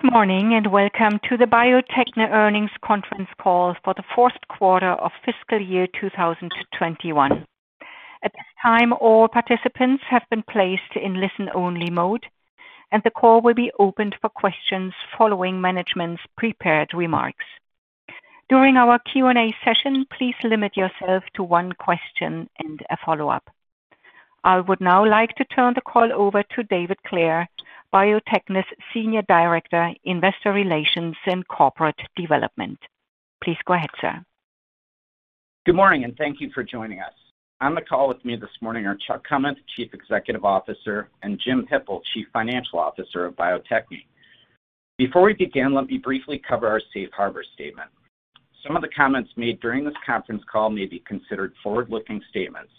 Good morning, welcome to the Bio-Techne earnings conference call for the fourth quarter of fiscal year 2021. At this time, all participants have been placed in listen-only mode, and the call will be opened for questions following management's prepared remarks. During our Q&A session, please limit yourself to one question and a follow-up. I would now like to turn the call over to David Clair, Bio-Techne's Senior Director, Investor Relations and Corporate Development. Please go ahead, sir. Good morning, and thank you for joining us. On the call with me this morning are Chuck Kummeth, Chief Executive Officer, and Jim Hippel, Chief Financial Officer of Bio-Techne. Before we begin, let me briefly cover our safe harbor statement. Some of the comments made during this conference call may be considered forward-looking statements,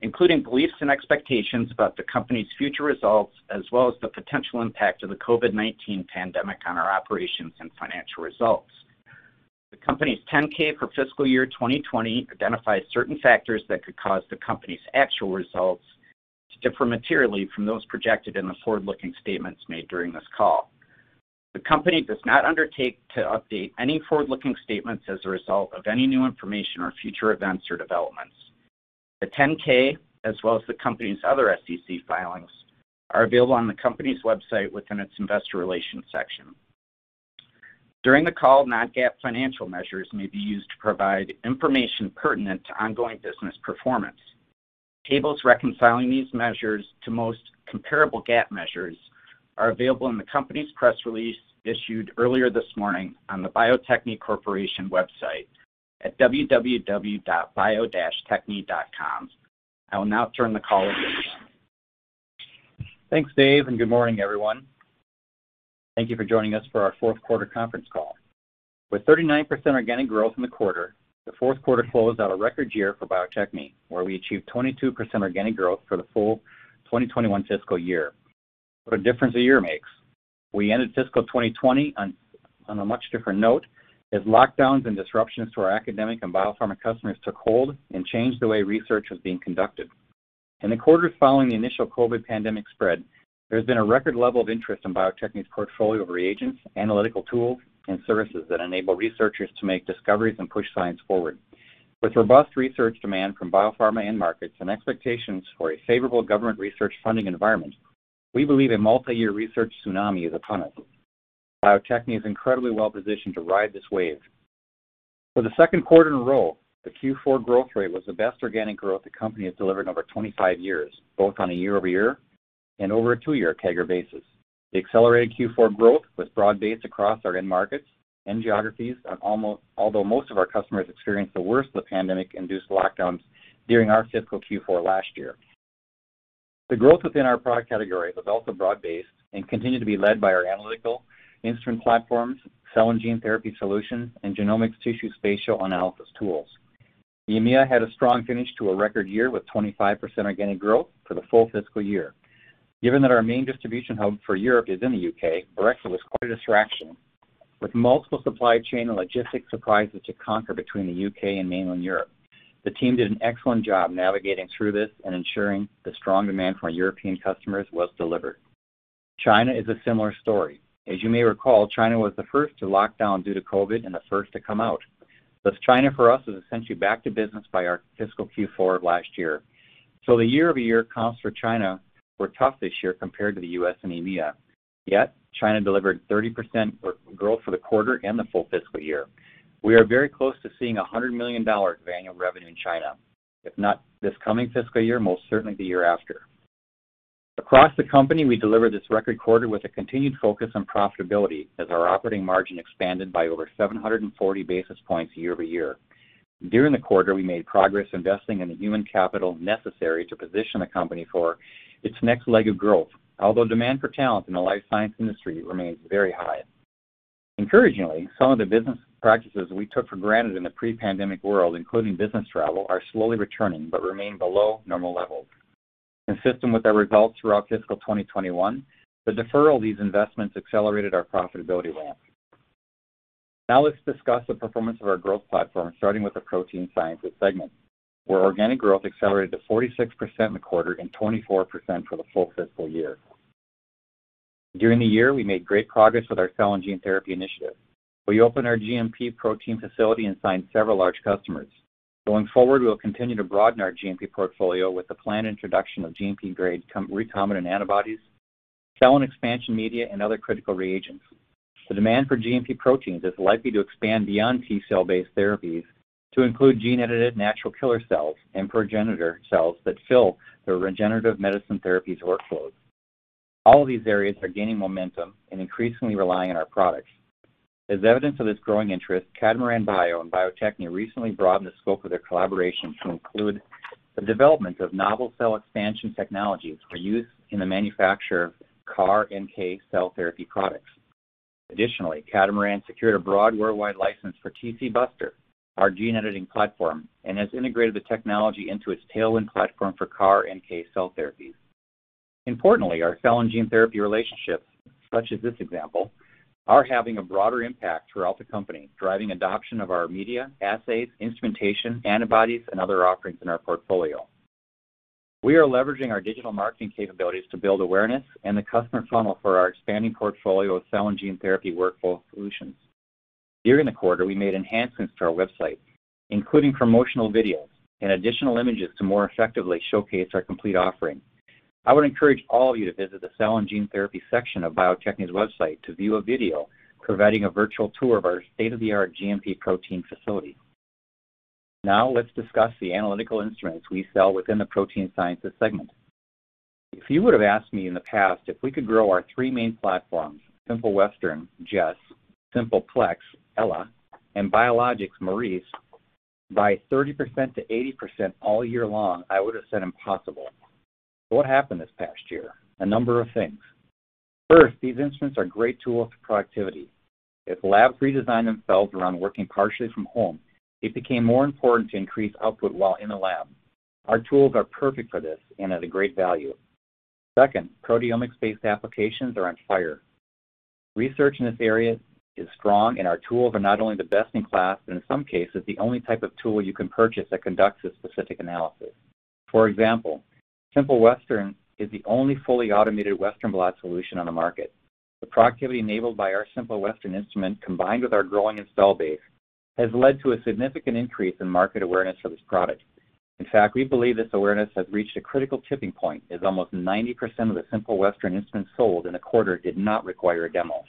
including beliefs and expectations about the company's future results, as well as the potential impact of the COVID-19 pandemic on our operations and financial results. The company's 10-K for fiscal year 2020 identifies certain factors that could cause the company's actual results to differ materially from those projected in the forward-looking statements made during this call. The company does not undertake to update any forward-looking statements as a result of any new information or future events or developments. The 10-K, as well as the company's other SEC filings, are available on the company's website within its investor relations section. During the call, non-GAAP financial measures may be used to provide information pertinent to ongoing business performance. Tables reconciling these measures to most comparable GAAP measures are available in the company's press release issued earlier this morning on the Bio-Techne Corporation website at www.bio-techne.com. I will now turn the call over to Chuck. Thanks, Dave. Good morning, everyone. Thank you for joining us for our fourth quarter conference call. With 39% organic growth in the quarter, the fourth quarter closed out a record year for Bio-Techne, where we achieved 22% organic growth for the full 2021 fiscal year. What a difference a year makes. We ended fiscal 2020 on a much different note, as lockdowns and disruptions to our academic and biopharma customers took hold and changed the way research was being conducted. In the quarters following the initial COVID-19 pandemic spread, there has been a record level of interest in Bio-Techne's portfolio of reagents, analytical tools, and services that enable researchers to make discoveries and push science forward. With robust research demand from biopharma end markets and expectations for a favorable government research funding environment, we believe a multi-year research tsunami is upon us. Bio-Techne is incredibly well-positioned to ride this wave. For the second quarter in a row, the Q4 growth rate was the best organic growth the company has delivered in over 25 years, both on a year-over-year and over a two-year CAGR basis. The accelerated Q4 growth was broad-based across our end markets and geographies, although most of our customers experienced the worst of the pandemic-induced lockdowns during our fiscal Q4 last year. The growth within our product categories was also broad-based and continued to be led by our analytical instrument platforms, cell and gene therapy solutions, and genomics tissue spatial analysis tools. EMEA had a strong finish to a record year, with 25% organic growth for the full fiscal year. Given that our main distribution hub for Europe is in the U.K., Brexit was quite a distraction, with multiple supply chain and logistics surprises to conquer between the U.K. and mainland Europe. The team did an excellent job navigating through this and ensuring the strong demand from our European customers was delivered. China is a similar story. As you may recall, China was the first to lock down due to COVID and the first to come out. Thus, China for us was essentially back to business by our fiscal Q4 of last year. The year-over-year comps for China were tough this year compared to the U.S. and EMEA. Yet, China delivered 30% growth for the quarter and the full fiscal year. We are very close to seeing $100 million of annual revenue in China, if not this coming fiscal year, most certainly the year after. Across the company, we delivered this record quarter with a continued focus on profitability, as our operating margin expanded by over 740 basis points year-over-year. During the quarter, we made progress investing in the human capital necessary to position the company for its next leg of growth, although demand for talent in the life science industry remains very high. Encouragingly, some of the business practices we took for granted in the pre-pandemic world, including business travel, are slowly returning but remain below normal levels. Consistent with our results throughout fiscal 2021, the deferral of these investments accelerated our profitability ramp. Now let's discuss the performance of our growth platforms, starting with the Protein Sciences segment, where organic growth accelerated to 46% in the quarter and 24% for the full fiscal year. During the year, we made great progress with our cell and gene therapy initiative, where we opened our GMP protein facility and signed several large customers. Going forward, we will continue to broaden our GMP portfolio with the planned introduction of GMP-grade recombinant antibodies, cell and expansion media, and other critical reagents. The demand for GMP proteins is likely to expand beyond T-cell based therapies to include gene-edited natural killer cells and progenitor cells that fill the regenerative medicine therapy's workload. All of these areas are gaining momentum and increasingly relying on our products. As evidence of this growing interest, Catamaran Bio and Bio-Techne recently broadened the scope of their collaboration to include the development of novel cell expansion technologies for use in the manufacture of CAR-NK cell therapy products. Additionally, Catamaran secured a broad worldwide license for TcBuster, our gene editing platform, and has integrated the technology into its Tailwind platform for CAR-NK cell therapies. Importantly, our cell and gene therapy relationships, such as this example, are having a broader impact throughout the company, driving adoption of our media, assays, instrumentation, antibodies, and other offerings in our portfolio. We are leveraging our digital marketing capabilities to build awareness and the customer funnel for our expanding portfolio of cell and gene therapy workflow solutions. During the quarter, we made enhancements to our website, including promotional videos and additional images to more effectively showcase our complete offering. I would encourage all of you to visit the cell and gene therapy section of Bio-Techne's website to view a video providing a virtual tour of our state-of-the-art GMP protein facility. Let's discuss the analytical instruments we sell within the Protein Sciences segment. If you would have asked me in the past if we could grow our three main platforms, Simple Western, Jess, Simple Plex, Ella, and Biologics, Maurice, by 30% to 80% all year long, I would have said impossible. What happened this past year? A number of things. First, these instruments are great tools for productivity. As labs redesigned themselves around working partially from home, it became more important to increase output while in the lab. Our tools are perfect for this and at a great value. Second, proteomics-based applications are on fire. Research in this area is strong, and our tools are not only the best in class, but in some cases, the only type of tool you can purchase that conducts a specific analysis. For example, Simple Western is the only fully automated western blot solution on the market. The productivity enabled by our Simple Western instrument, combined with our growing install base, has led to a significant increase in market awareness for this product. In fact, we believe this awareness has reached a critical tipping point, as almost 90% of the Simple Western instruments sold in the quarter did not require a demo.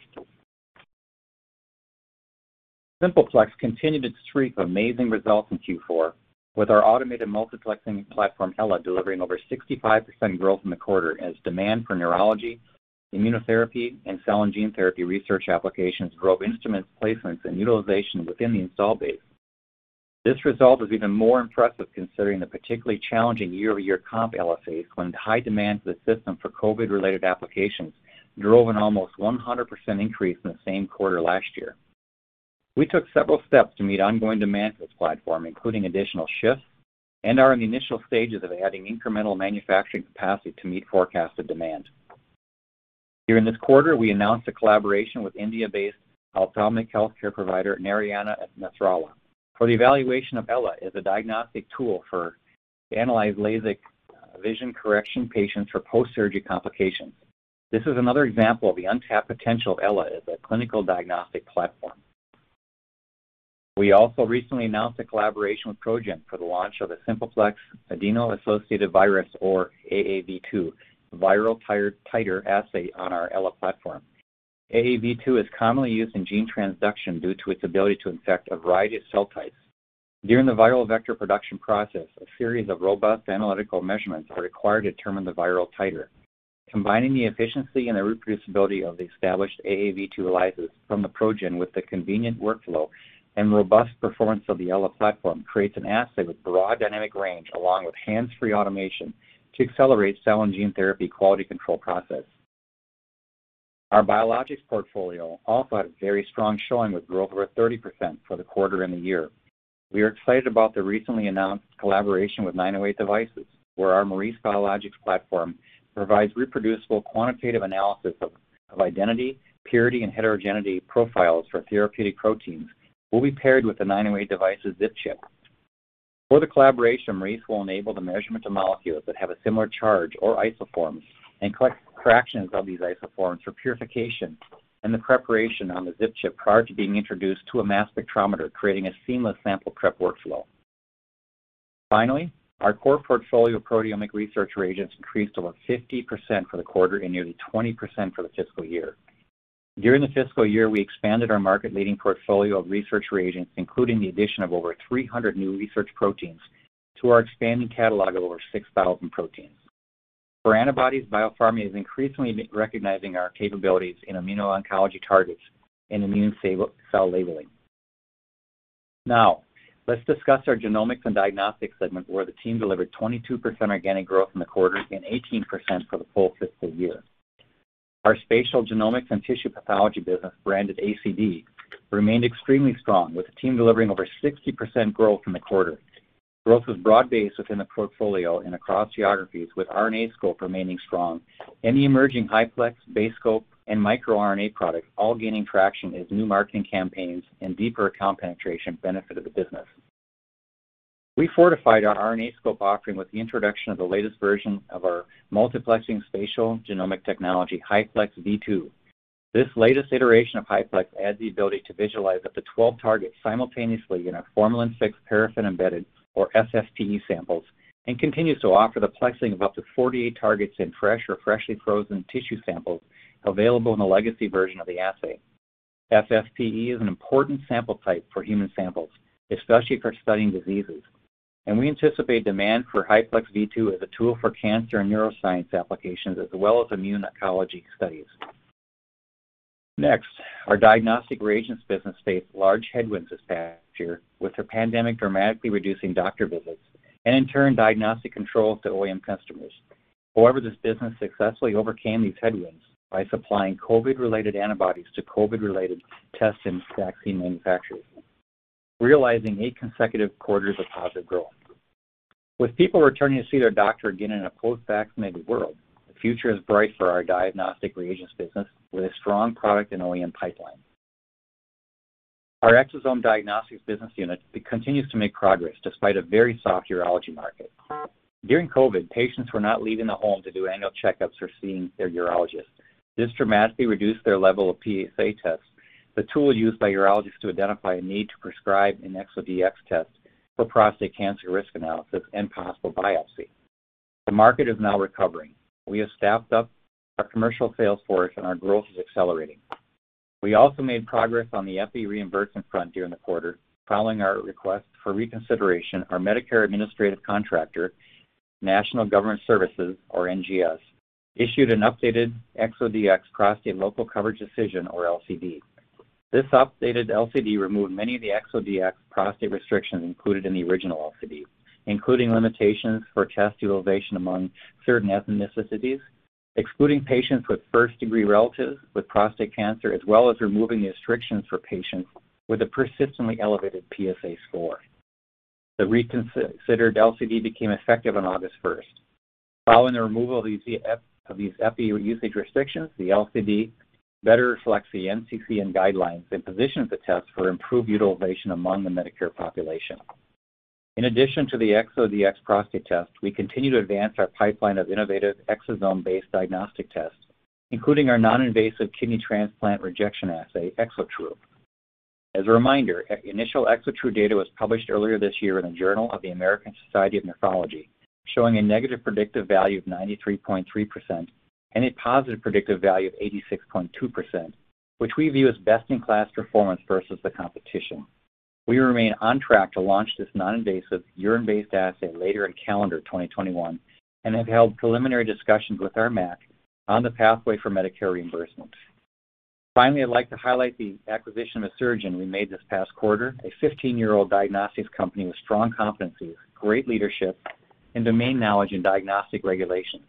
Simple Plex continued its streak of amazing results in Q4, with our automated multiplexing platform, Ella, delivering over 65% growth in the quarter as demand for neurology, immunotherapy, and cell and gene therapy research applications drove instrument placements and utilization within the install base. This result is even more impressive considering the particularly challenging year-over-year comp LSA when high demand for the system for COVID-related applications drove an almost 100% increase from the same quarter last year. We took several steps to meet ongoing demand for this platform, including additional shifts, and are in the initial stages of adding incremental manufacturing capacity to meet forecasted demand. During this quarter, we announced a collaboration with India-based ophthalmic healthcare provider, Narayana Nethralaya, for the evaluation of Ella as a diagnostic tool for analyzed LASIK vision correction patients for post-surgery complications. This is another example of the untapped potential of Ella as a clinical diagnostic platform. We also recently announced a collaboration with PROGEN for the launch of a Simple Plex adeno-associated virus, or AAV2, viral titer assay on our Ella platform. AAV2 is commonly used in gene transduction due to its ability to infect a variety of cell types. During the viral vector production process, a series of robust analytical measurements are required to determine the viral titer. Combining the efficiency and the reproducibility of the established AAV2 ELISAs from the PROGEN with the convenient workflow and robust performance of the Ella platform creates an assay with broad dynamic range, along with hands-free automation to accelerate cell and gene therapy quality control process. Our biologics portfolio also had a very strong showing with growth over 30% for the quarter and the year. We are excited about the recently announced collaboration with 908 Devices, where our Maurice biologics platform provides reproducible quantitative analysis of identity, purity, and heterogeneity profiles for therapeutic proteins will be paired with the 908 Devices ZipChip. For the collaboration, Maurice will enable the measurement of molecules that have a similar charge or isoforms and collect fractions of these isoforms for purification and the preparation on the ZipChip prior to being introduced to a mass spectrometer, creating a seamless sample prep workflow. Our core portfolio of proteomic research reagents increased over 50% for the quarter and nearly 20% for the fiscal year. During the fiscal year, we expanded our market-leading portfolio of research reagents, including the addition of over 300 new research proteins to our expanding catalog of over 6,000 proteins. For antibodies, biopharma is increasingly recognizing our capabilities in immuno-oncology targets and immune cell labeling. Let's discuss our genomics and diagnostics segment where the team delivered 22% organic growth in the quarter and 18% for the full fiscal year. Our spatial genomics and tissue pathology business, branded ACD, remained extremely strong, with the team delivering over 60% growth in the quarter. Growth was broad-based within the portfolio and across geographies, with RNAscope remaining strong and the emerging HiPlex, BaseScope, and microRNA products all gaining traction as new marketing campaigns and deeper account penetration benefited the business. We fortified our RNAscope offering with the introduction of the latest version of our multiplexing spatial genomic technology, HiPlex v2. This latest iteration of HiPlex adds the ability to visualize up to 12 targets simultaneously in a formalin-fixed, paraffin-embedded, or FFPE samples, and continues to offer the plexing of up to 48 targets in fresh or freshly frozen tissue samples available in the legacy version of the assay. FFPE is an important sample type for human samples, especially for studying diseases, and we anticipate demand for HiPlex v2 as a tool for cancer and neuroscience applications, as well as immune oncology studies. Next, our diagnostic reagents business faced large headwinds this past year, with the pandemic dramatically reducing doctor visits and, in turn, diagnostic controls to OEM customers. This business successfully overcame these headwinds by supplying COVID-related antibodies to COVID-related tests and vaccine manufacturers, realizing eight consecutive quarters of positive growth. With people returning to see their doctor again in a post-vaccinated world, the future is bright for our diagnostic reagents business with a strong product and OEM pipeline. Our Exosome Diagnostics business unit continues to make progress despite a very soft urology market. During COVID, patients were not leaving the home to do annual checkups or seeing their urologist. This dramatically reduced their level of PSA tests, the tool used by urologists to identify a need to prescribe an ExoDx test for prostate cancer risk analysis and possible biopsy. The market is now recovering. We have staffed up our commercial sales force, our growth is accelerating. We also made progress on the FFS reimbursement front during the quarter. Following our request for reconsideration, our Medicare administrative contractor, National Government Services, or NGS, issued an updated ExoDx Prostate local coverage decision, or LCD. This updated LCD removed many of the ExoDx Prostate restrictions included in the original LCD, including limitations for test utilization among certain ethnicities, excluding patients with first-degree relatives with prostate cancer, as well as removing restrictions for patients with a persistently elevated PSA score. The reconsidered LCD became effective on August 1st. Following the removal of these FE usage restrictions, the LCD better reflects the NCCN guidelines and positions the test for improved utilization among the Medicare population. In addition to the ExoDx Prostate test, we continue to advance our pipeline of innovative exosome-based diagnostic tests, including our non-invasive kidney transplant rejection assay, ExoTRU. As a reminder, initial ExoTRU data was published earlier this year in the Journal of the American Society of Nephrology, showing a negative predictive value of 93.3% and a positive predictive value of 86.2%, which we view as best-in-class performance versus the competition. We remain on track to launch this non-invasive urine-based assay later in calendar 2021 and have held preliminary discussions with our MAC on the pathway for Medicare reimbursement. Finally, I'd like to highlight the acquisition of Asuragen we made this past quarter, a 15-year-old diagnostics company with strong competencies, great leadership, and domain knowledge in diagnostic regulations.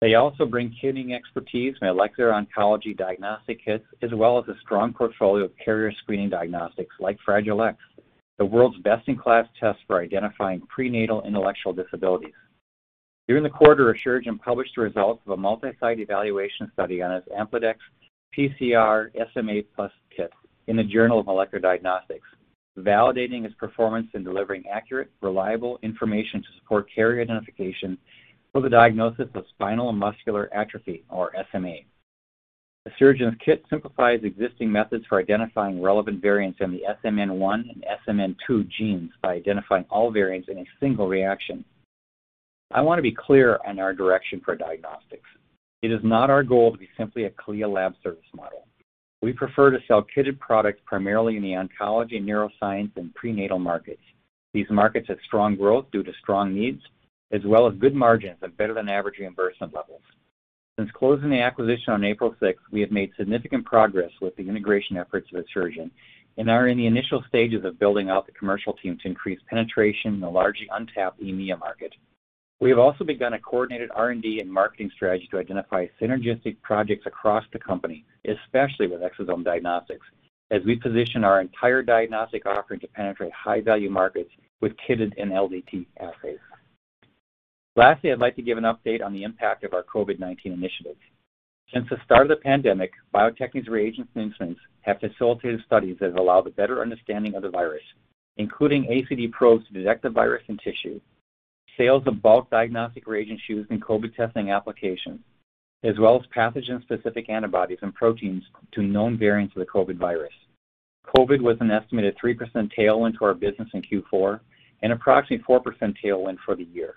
They also bring kidney expertise and molecular oncology diagnostic kits, as well as a strong portfolio of carrier screening diagnostics like Fragile X, the world's best-in-class test for identifying prenatal intellectual disabilities. During the quarter, Asuragen published the results of a multi-site evaluation study on its AmplideX PCR SMA Plus kit in the Journal of Molecular Diagnostics, validating its performance in delivering accurate, reliable information to support carrier identification for the diagnosis of spinal muscular atrophy, or SMA. Asuragen's kit simplifies existing methods for identifying relevant variants in the SMN1 and SMN2 genes by identifying all variants in a single reaction. I want to be clear on our direction for diagnostics. It is not our goal to be simply a CLIA lab service model. We prefer to sell kitted products primarily in the oncology, neuroscience, and prenatal markets. These markets have strong growth due to strong needs, as well as good margins and better-than-average reimbursement levels. Since closing the acquisition on April 6th, we have made significant progress with the integration efforts of Asuragen and are in the initial stages of building out the commercial team to increase penetration in the largely untapped EMEA market. We have also begun a coordinated R&D and marketing strategy to identify synergistic projects across the company, especially with Exosome Diagnostics, as we position our entire diagnostic offering to penetrate high-value markets with kitted and LDT assays. Lastly, I'd like to give an update on the impact of our COVID-19 initiatives. Since the start of the pandemic, Bio-Techne's reagent instruments have facilitated studies that have allowed a better understanding of the virus, including ACD probes to detect the virus in tissue, sales of bulk diagnostic reagents used in COVID testing applications, as well as pathogen-specific antibodies and proteins to known variants of the COVID virus. COVID was an estimated 3% Tailwind to our business in Q4 and approximately 4% Tailwind for the year,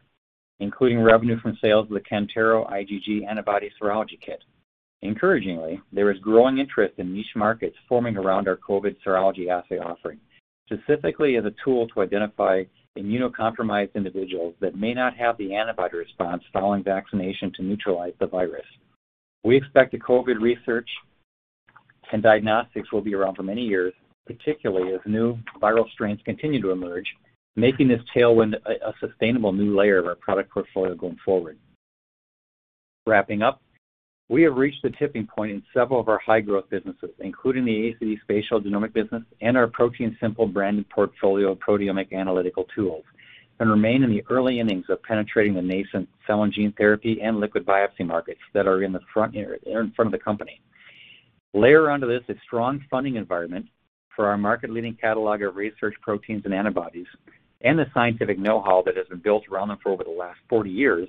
including revenue from sales of the Kantaro IgG antibody serology kit. Encouragingly, there is growing interest in niche markets forming around our COVID serology assay offering, specifically as a tool to identify immunocompromised individuals that may not have the antibody response following vaccination to neutralize the virus. We expect that COVID research and diagnostics will be around for many years, particularly as new viral strains continue to emerge, making this Tailwind a sustainable new layer of our product portfolio going forward. Wrapping up, we have reached the tipping point in several of our high-growth businesses, including the ACD spatial genomics business and our ProteinSimple branded portfolio of proteomic analytical tools, and remain in the early innings of penetrating the nascent cell and gene therapy and liquid biopsy markets that are in front of the company. Layer onto this a strong funding environment for our market-leading catalog of research proteins and antibodies and the scientific know-how that has been built around them for over the last 40 years,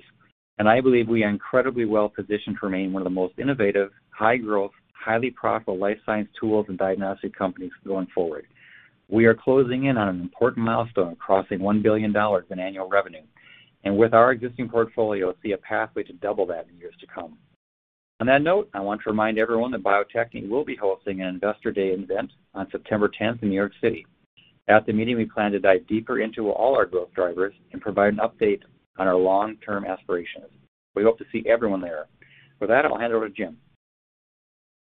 and I believe we are incredibly well positioned to remain one of the most innovative, high-growth, highly profitable life science tools and diagnostic companies going forward. We are closing in on an important milestone, crossing $1 billion in annual revenue, and with our existing portfolio, see a pathway to double that in years to come. On that note, I want to remind everyone that Bio-Techne will be hosting an investor day event on September 10th in New York City. At the meeting, we plan to dive deeper into all our growth drivers and provide an update on our long-term aspirations. We hope to see everyone there. For that, I'll hand it over to Jim.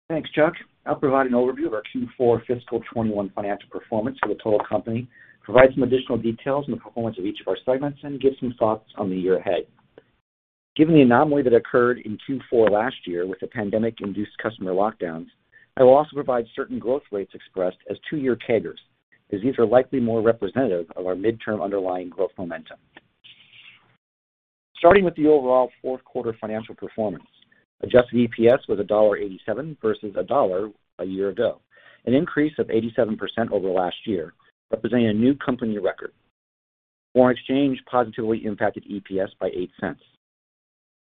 Thanks, Chuck. I'll provide an overview of our Q4 fiscal 2021 financial performance for the total company, provide some additional details on the performance of each of our segments, and give some thoughts on the year ahead. Given the anomaly that occurred in Q4 last year with the pandemic-induced customer lockdowns, I will also provide certain growth rates expressed as two-year CAGRs, as these are likely more representative of our midterm underlying growth momentum. Starting with the overall fourth quarter financial performance, adjusted EPS was $1.87 versus $1 a year ago, an increase of 87% over last year, representing a new company record. Foreign exchange positively impacted EPS by $0.08.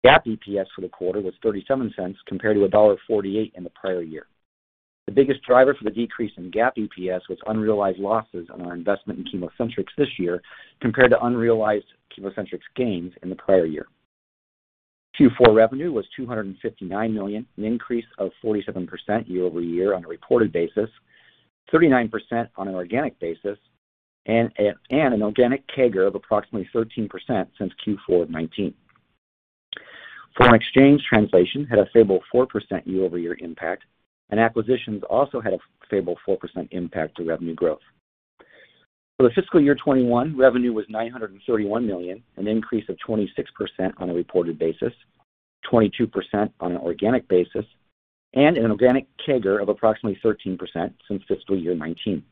GAAP EPS for the quarter was $0.37 compared to $1.48 in the prior year. The biggest driver for the decrease in GAAP EPS was unrealized losses on our investment in ChemoCentryx this year, compared to unrealized ChemoCentryx gains in the prior year. Q4 revenue was $259 million, an increase of 47% year-over-year on a reported basis, 39% on an organic basis, and an organic CAGR of approximately 13% since Q4 of 2019. Foreign exchange translation had a favorable 4% year-over-year impact, and acquisitions also had a favorable 4% impact to revenue growth. For the fiscal year 2021, revenue was $931 million, an increase of 26% on a reported basis, 22% on an organic basis, and an organic CAGR of approximately 13% since fiscal year 2019.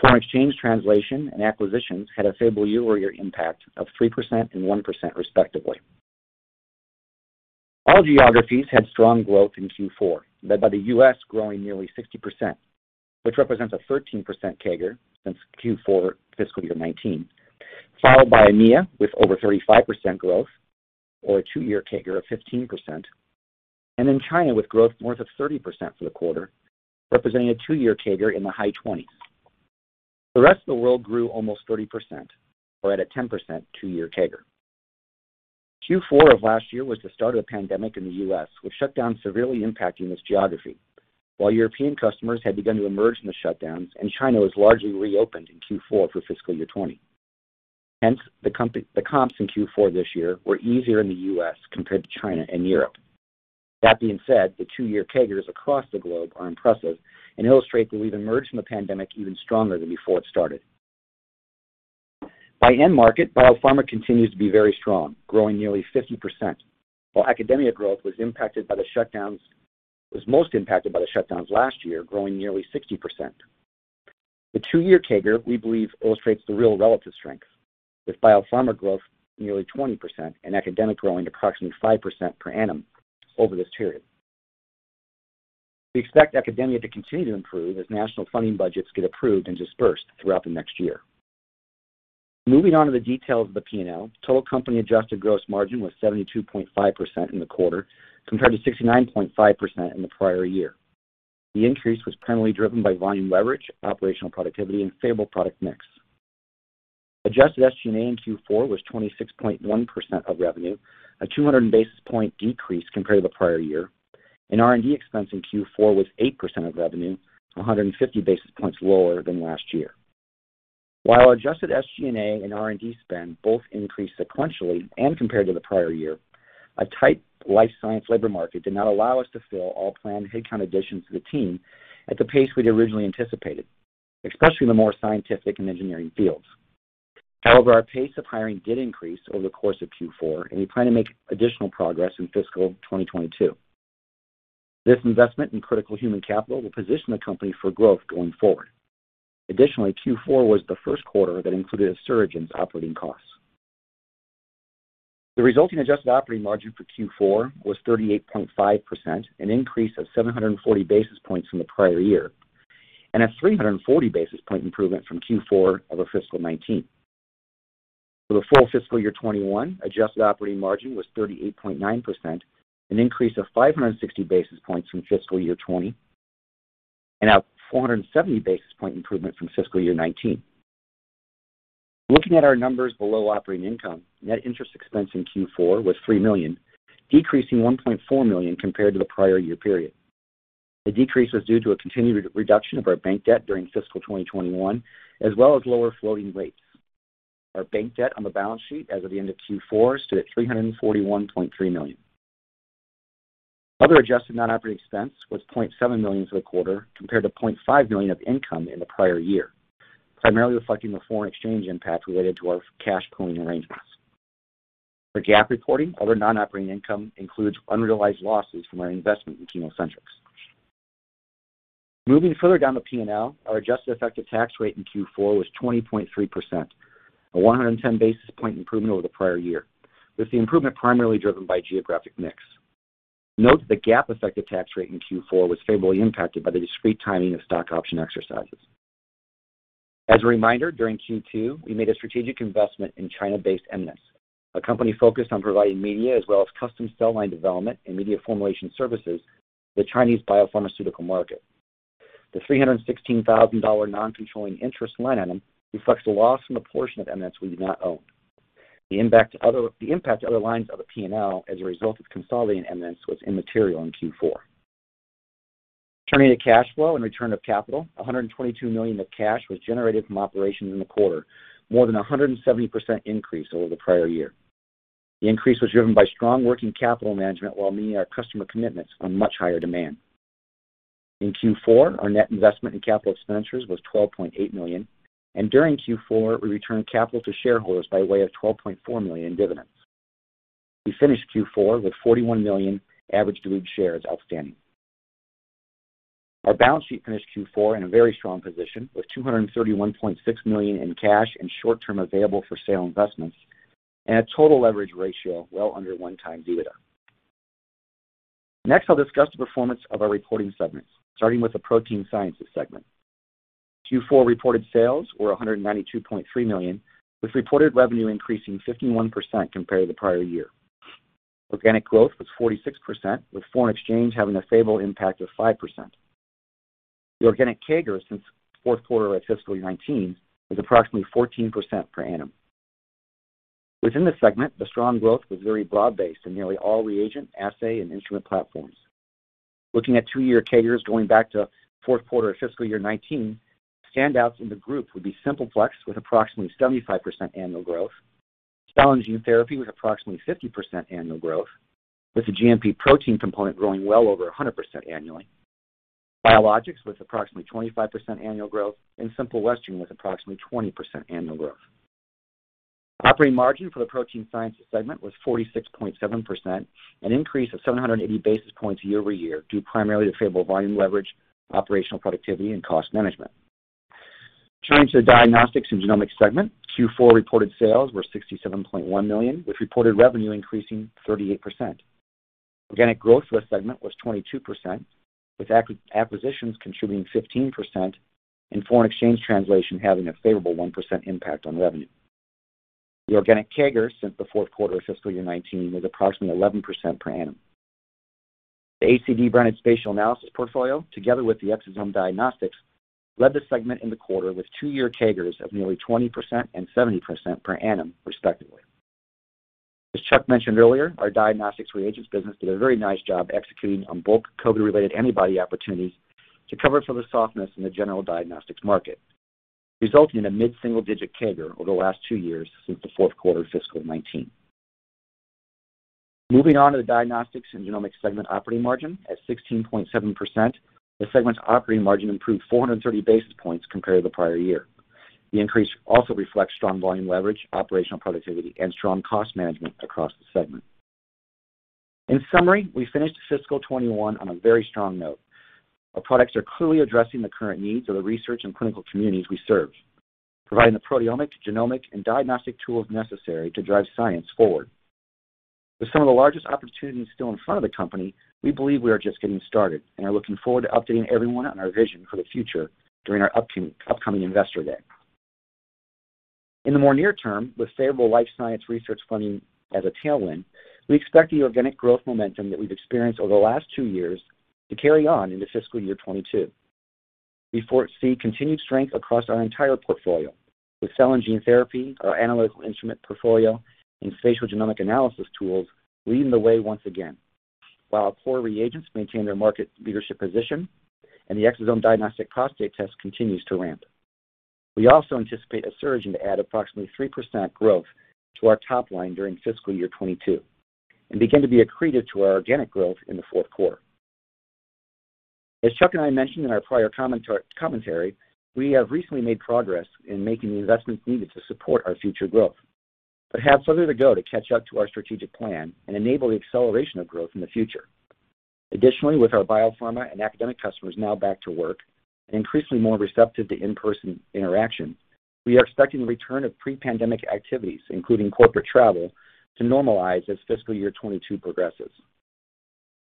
Foreign exchange translation and acquisitions had a favorable year-over-year impact of 3% and 1%, respectively. All geographies had strong growth in Q4, led by the U.S. growing nearly 60%, which represents a 13% CAGR since Q4 fiscal year 2019, followed by EMEA with over 35% growth or a two-year CAGR of 15%, and then China with growth north of 30% for the quarter, representing a two-year CAGR in the high 20s. The rest of the world grew almost 30%, or at a 10% two-year CAGR. Q4 of last year was the start of the pandemic in the U.S., with shutdowns severely impacting this geography, while European customers had begun to emerge from the shutdowns and China was largely reopened in Q4 for fiscal year 2020. Hence, the comps in Q4 this year were easier in the U.S. compared to China and Europe. That being said, the two-year CAGRs across the globe are impressive and illustrate that we've emerged from the pandemic even stronger than before it started. By end market, biopharma continues to be very strong, growing nearly 50%, while academia growth was most impacted by the shutdowns last year, growing nearly 60%. The two-year CAGR, we believe, illustrates the real relative strength, with biopharma growth nearly 20% and academic growing approximately 5% per annum over this period. We expect academia to continue to improve as national funding budgets get approved and dispersed throughout the next year. Moving on to the details of the P&L, total company adjusted gross margin was 72.5% in the quarter, compared to 69.5% in the prior year. The increase was primarily driven by volume leverage, operational productivity, and favorable product mix. Adjusted SG&A in Q4 was 26.1% of revenue, a 200 basis point decrease compared to the prior year. R&D expense in Q4 was 8% of revenue, 150 basis points lower than last year. While adjusted SG&A and R&D spend both increased sequentially and compared to the prior year, a tight life science labor market did not allow us to fill all planned headcount additions to the team at the pace we'd originally anticipated, especially in the more scientific and engineering fields. Our pace of hiring did increase over the course of Q4, and we plan to make additional progress in fiscal 2022. This investment in critical human capital will position the company for growth going forward. Q4 was the first quarter that included a surge in operating costs. The resulting adjusted operating margin for Q4 was 38.5%, an increase of 740 basis points from the prior year, and a 340 basis point improvement from Q4 of fiscal 2019. For the full fiscal year 2021, adjusted operating margin was 38.9%, an increase of 560 basis points from fiscal year 2020 and a 470 basis point improvement from fiscal year 2019. Looking at our numbers below operating income, net interest expense in Q4 was $3 million, decreasing $1.4 million compared to the prior year period. The decrease was due to a continued reduction of our bank debt during fiscal 2021, as well as lower floating rates. Our bank debt on the balance sheet as of the end of Q4 stood at $341.3 million. Other adjusted non-operating expense was $0.7 million for the quarter compared to $0.5 million of income in the prior year, primarily reflecting the foreign exchange impact related to our cash pooling arrangements. For GAAP reporting, other non-operating income includes unrealized losses from our investment in ChemoCentryx. Moving further down the P&L, our adjusted effective tax rate in Q4 was 20.3%, a 110 basis point improvement over the prior year, with the improvement primarily driven by geographic mix. Note that the GAAP effective tax rate in Q4 was favorably impacted by the discrete timing of stock option exercises. As a reminder, during Q2, we made a strategic investment in China-based Eminence, a company focused on providing media as well as custom cell line development and media formulation services to the Chinese biopharmaceutical market. The $316,000 non-controlling interest line item reflects the loss from the portion of Eminence we do not own. The impact to other lines of the P&L as a result of consolidating Eminence was immaterial in Q4. Turning to cash flow and return of capital, $122 million of cash was generated from operations in the quarter, more than 170% increase over the prior year. The increase was driven by strong working capital management while meeting our customer commitments on much higher demand. In Q4, our net investment in capital expenditures was $12.8 million, and during Q4, we returned capital to shareholders by way of $12.4 million in dividends. We finished Q4 with 41 million average dilute shares outstanding. Our balance sheet finished Q4 in a very strong position, with $231.6 million in cash and short-term available-for-sale investments and a total leverage ratio well under 1x EBITDA. Next, I'll discuss the performance of our reporting segments, starting with the Protein Sciences segment. Q4 reported sales were $192.3 million, with reported revenue increasing 51% compared to the prior year. Organic growth was 46%, with foreign exchange having a favorable impact of 5%. The organic CAGR since the fourth quarter of fiscal year 2019 is approximately 14% per annum. Within the segment, the strong growth was very broad-based in nearly all reagent, assay, and instrument platforms. Looking at two-year CAGRs going back to the fourth quarter of fiscal year 2019, standouts in the group would be Simple Plex, with approximately 75% annual growth, cell and gene therapy with approximately 50% annual growth, with the GMP protein component growing well over 100% annually, biologics with approximately 25% annual growth, and Simple Western with approximately 20% annual growth. Operating margin for the Protein Sciences segment was 46.7%, an increase of 780 basis points year-over-year, due primarily to favorable volume leverage, operational productivity, and cost management. Turning to the Diagnostics and Genomics segment, Q4 reported sales were $67.1 million, with reported revenue increasing 38%. Organic growth for the segment was 22%, with acquisitions contributing 15% and foreign exchange translation having a favorable 1% impact on revenue. The organic CAGR since the fourth quarter of fiscal year 2019 was approximately 11% per annum. The ACD branded spatial analysis portfolio, together with the Exosome Diagnostics, led the segment in the quarter with two-year CAGRs of nearly 20% and 70% per annum respectively. As Chuck mentioned earlier, our diagnostics reagents business did a very nice job executing on bulk COVID-related antibody opportunities to cover for the softness in the general diagnostics market, resulting in a mid-single-digit CAGR over the last two years since the fourth quarter of fiscal 2019. Moving on to the Diagnostics and Genomics segment operating margin. At 16.7%, the segment's operating margin improved 430 basis points compared to the prior year. The increase also reflects strong volume leverage, operational productivity, and strong cost management across the segment. In summary, we finished fiscal 2021 on a very strong note. Our products are clearly addressing the current needs of the research and clinical communities we serve, providing the proteomic, genomic, and diagnostic tools necessary to drive science forward. With some of the largest opportunities still in front of the company, we believe we are just getting started and are looking forward to updating everyone on our vision for the future during our upcoming Investor Day. In the more near term, with favorable life science research funding as a Tailwind, we expect the organic growth momentum that we've experienced over the last two years to carry on into fiscal year 2022. We foresee continued strength across our entire portfolio, with cell and gene therapy, our analytical instrument portfolio, and spatial genomic analysis tools leading the way once again, while our core reagents maintain their market leadership position and the ExoDx Prostate test continues to ramp. We also anticipate Asuragen to add approximately 3% growth to our top line during fiscal year 2022 and begin to be accretive to our organic growth in the fourth quarter. As Chuck and I mentioned in our prior commentary, we have recently made progress in making the investments needed to support our future growth but have further to go to catch up to our strategic plan and enable the acceleration of growth in the future. Additionally, with our biopharma and academic customers now back to work and increasingly more receptive to in-person interaction, we are expecting the return of pre-pandemic activities, including corporate travel, to normalize as fiscal year 2022 progresses.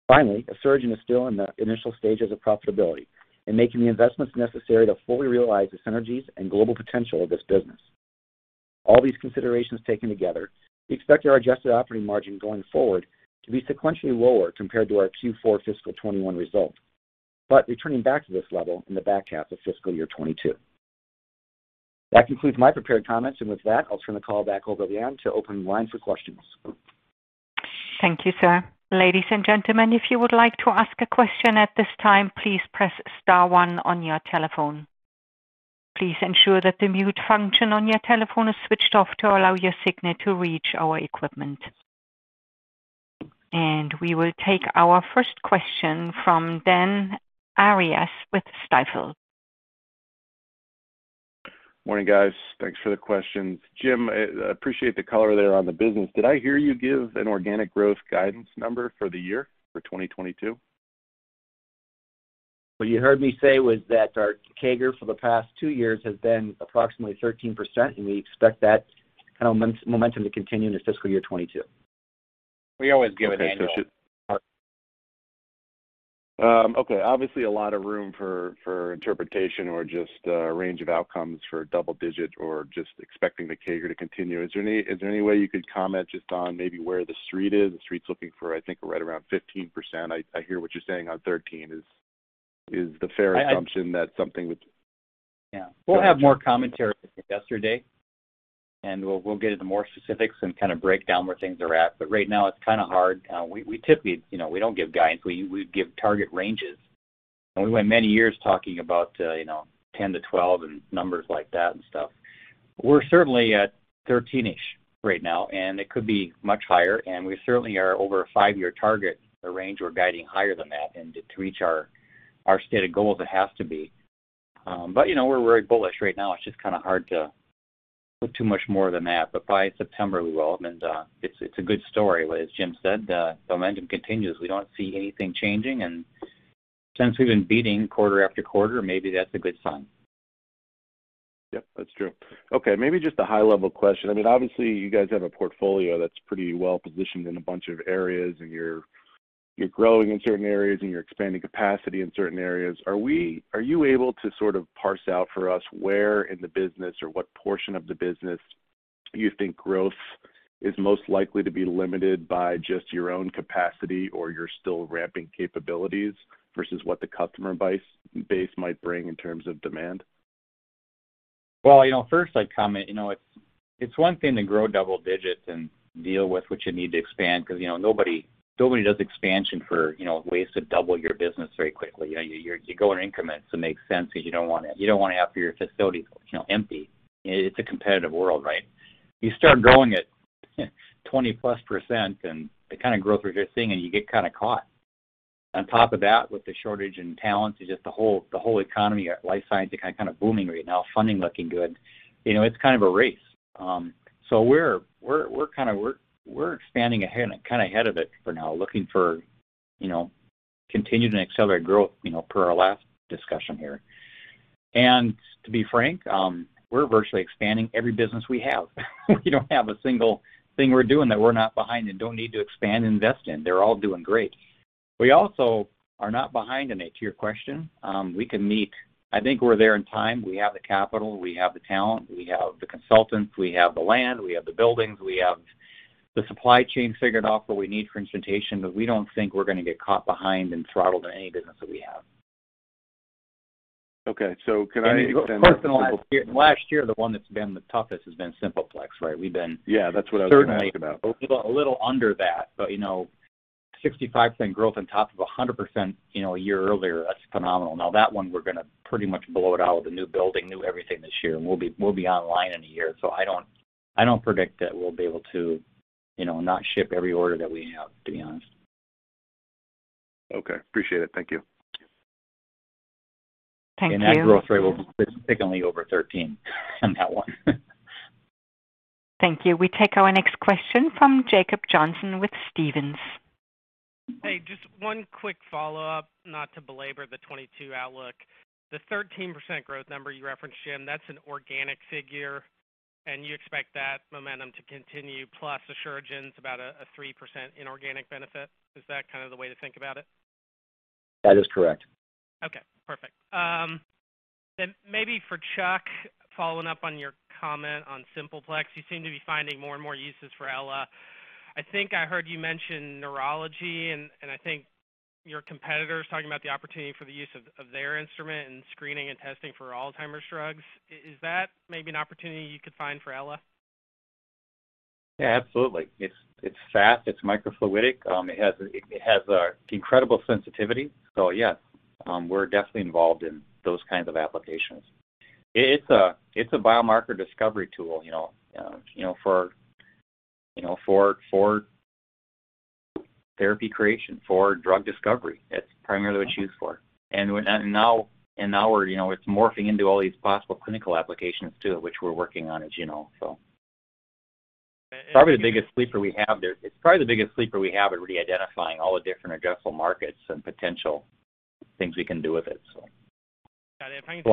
Finally, Asuragen is still in the initial stages of profitability and making the investments necessary to fully realize the synergies and global potential of this business. All these considerations taken together, we expect our adjusted operating margin going forward to be sequentially lower compared to our Q4 fiscal 2021 result, but returning back to this level in the back half of fiscal year 2022. That concludes my prepared comments, and with that, I'll turn the call back over to Anne to open lines for questions. Thank you, sir. Ladies and gentlemen, if you would like to ask a question at this time, please press *1 on your telephone. Please ensure that the mute function on your telephone is switched off to allow your signal to reach our equipment. We will take our first question from Dan Arias with Stifel. Morning, guys. Thanks for the questions. Jim, appreciate the color there on the business. Did I hear you give an organic growth guidance number for the year for 2022? What you heard me say was that our CAGR for the past two years has been approximately 13%, and we expect that momentum to continue into fiscal year 2022. We always give an annual-. Okay. Obviously, a lot of room for interpretation or just a range of outcomes for double-digit or just expecting the CAGR to continue. Is there any way you could comment just on maybe where the street is? The street's looking for, I think, right around 15%. I hear what you're saying, on 13 is the fair assumption that something would. Yeah. We'll have more commentary at Investor Day, and we'll get into more specifics and kind of break down where things are at. Right now, it's kind of hard. We don't give guidance. We give target ranges, and we went many years talking about 10%-12% and numbers like that and stuff. We're certainly at 13%-ish right now, and it could be much higher, and we certainly are over a five-year target range. We're guiding higher than that, and to reach our stated goals, it has to be. We're very bullish right now. It's just kind of hard to put too much more than that, but by September we will. It's a good story, as Jim said, the momentum continues. We don't see anything changing, and since we've been beating quarter after quarter, maybe that's a good sign. Yep, that's true. Okay, maybe just a high level question. Obviously, you guys have a portfolio that's pretty well positioned in a bunch of areas, and you're growing in certain areas and you're expanding capacity in certain areas. Are you able to parse out for us where in the business or what portion of the business you think growth is most likely to be limited by just your own capacity or you're still ramping capabilities versus what the customer base might bring in terms of demand? Well, first I'd comment, it's one thing to grow double digits and deal with what you need to expand because nobody does expansion for ways to double your business very quickly. You go in increments. It makes sense because you don't want to have your facilities empty. It's a competitive world, right? You start growing at 20%+ and the kind of growth we're seeing, and you get kind of caught. On top of that, with the shortage in talent, just the whole economy, life science is kind of booming right now, funding looking good. It's kind of a race. We're expanding kind of ahead of it for now, looking for continued and accelerated growth, per our last discussion here. To be frank, we're virtually expanding every business we have. We don't have a single thing we're doing that we're not behind and don't need to expand and invest in. They're all doing great. We also are not behind in it, to your question. We can meet. I think we're there in time. We have the capital. We have the talent. We have the consultants. We have the land. We have the buildings. We have the supply chain figured out for what we need for instrumentation, but we don't think we're going to get caught behind and throttled in any business that we have. Okay. can I extend that? Of course, the last year, the one that's been the toughest has been Simple Plex, right? Yeah, that's what I was going to ask about. certainly a little under that. 65% growth on top of 100% a year earlier, that's phenomenal. That one, we're going to pretty much blow it out with a new building, new everything this year, and we'll be online in a year. I don't predict that we'll be able to not ship every order that we have, to be honest. Okay. Appreciate it. Thank you. Thank you. That growth rate will be significantly over 13% on that one. Thank you. We take our next question from Jacob Johnson with Stephens. Hey, just one quick follow-up, not to belabor the 2022 outlook. The 13% growth number you referenced, Jim, that's an organic figure, and you expect that momentum to continue, plus Asuragen's about a 3% inorganic benefit. Is that kind of the way to think about it? That is correct. Okay, perfect. Maybe for Chuck, following up on your comment on Simple Plex, you seem to be finding more and more uses for Ella. I think I heard you mention neurology. I think your competitor is talking about the opportunity for the use of their instrument in screening and testing for Alzheimer's drugs. Is that maybe an opportunity you could find for Ella? Yeah, absolutely. It's fast. It's microfluidic. It has incredible sensitivity. Yeah, we're definitely involved in those kinds of applications. It's a biomarker discovery tool for therapy creation, for drug discovery. That's primarily what it's used for. Now it's morphing into all these possible clinical applications, too, which we're working on as you know. It's probably the biggest sleeper we have at really identifying all the different addressable markets and potential things we can do with it. Got it. That's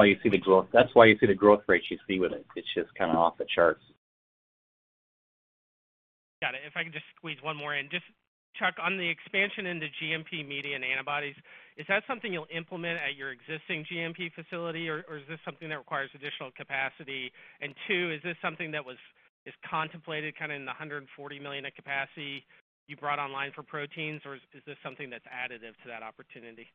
why you see the growth rates you see with it. It's just off the charts. Got it. If I can just squeeze one more in. Chuck, on the expansion into GMP media and antibodies, is that something you'll implement at your existing GMP facility, or is this something that requires additional capacity? Two, is this something that was contemplated kind of in the $140 million of capacity you brought online for proteins, or is this something that's additive to that opportunity?